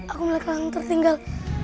aku melihat kakang tertinggal